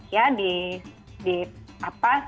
ya di apa